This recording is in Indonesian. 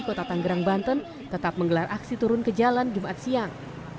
kota tanggerang banten tetap menggelar aksi turun ke jalan jumat siang